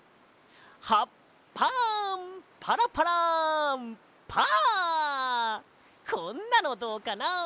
「葉っぱパラパラパー」こんなのどうかな？